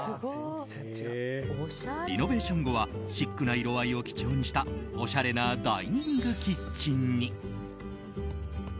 リノベーション後はシックな色合いを基調にしたおしゃれなダイニングキッチンに。